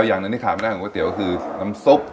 อย่างหนึ่งที่ขามแรกของก๋วยเตี๋ยวคือน้ำซุป